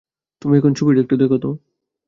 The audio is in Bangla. তুমি এখন ছবিটা একটু দেখ তো।